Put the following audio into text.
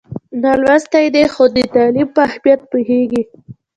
نالوستی دی خو د تعلیم په اهمیت پوهېږي.